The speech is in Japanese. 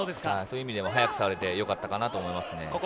そういう意味でも早く触れてよかったかなと思います。